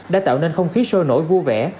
đã tạo nên không khí sôi nổi vua vẻ